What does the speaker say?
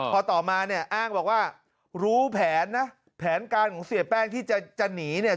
พอต่อมาเนี่ยอ้างบอกว่ารู้แผนนะแผนการของเสียแป้งที่จะหนีเนี่ย